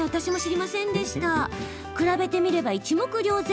比べてみれば一目瞭然。